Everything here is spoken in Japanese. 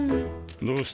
どうした？